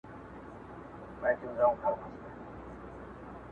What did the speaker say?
نوی وجود رامنځته کوي